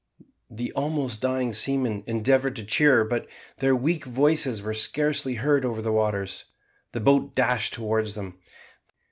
The almost dying seamen endeavoured to cheer, but their weak voices were scarcely heard over the waters. The boat dashed towards them.